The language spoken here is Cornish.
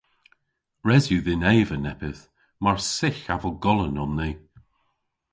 Res yw dhyn eva neppyth. Mar sygh avel golan on ni!